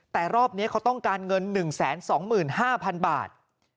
แต่รอบนี้เขาต้องการเงิน๑๒๕๐๐๐บาท